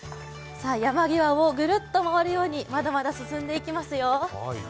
山際をぐるっと回るようにまだまだ進んでいきますよ。